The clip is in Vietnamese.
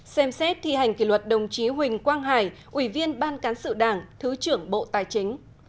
ba xem xét thi hành kỷ luật đồng chí huỳnh quang hải ủy viên ban cán sự đảng thứ trưởng bộ tài chính